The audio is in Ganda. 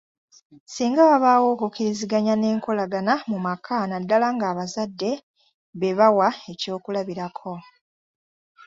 Singa wabaawo okukkiriziganya n'enkolagana mu maka naddala ng'abazadde be bawa ekyokulabirako.